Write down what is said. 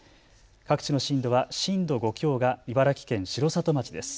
各地の震度は震度５強が茨城県城里町です。